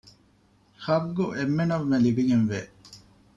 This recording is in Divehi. ޙައްޤު އެންމެނަށްމެ ލިބިގެންވޭ